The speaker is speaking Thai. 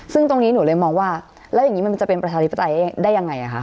ซึ่งตรงนี้หนูเลยมองว่าแล้วอย่างนี้มันจะเป็นประชาธิปไตยได้ยังไงคะ